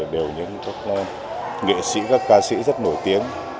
đều những các nghệ sĩ các ca sĩ rất nổi tiếng